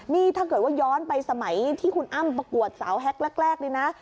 นี่ถ้าเกิดว่าย้อนไปสมัยที่คุณอ้ำประกวดสาวแฮ็กแรกนี่นะ